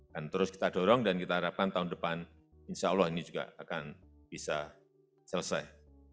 dan terus kita dorong dan kita harapkan tahun depan insyaallah ini juga akan bisa selesai